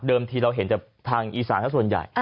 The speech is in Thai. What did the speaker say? เดิมทีเราเห็นแต่ทางอีสานก็ส่วนใหญ่